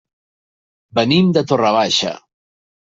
Venim de Torre Baixa.